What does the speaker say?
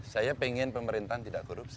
saya pengen pemerintahan tidak korupsi